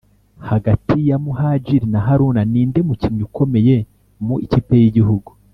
hagati ya muhajili na haruna ninde mukinnyi ukomeye mu ikipe y’igihugu